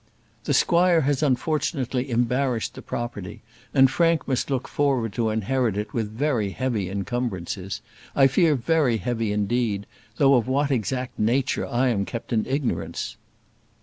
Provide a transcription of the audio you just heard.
"The squire has unfortunately embarrassed the property, and Frank must look forward to inherit it with very heavy encumbrances; I fear very heavy indeed, though of what exact nature I am kept in ignorance."